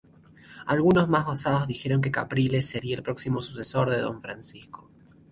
Algunos, más osados, dijeron que Caprile sería el próximo sucesor de Don Francisco.